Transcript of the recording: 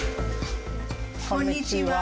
こんにちは。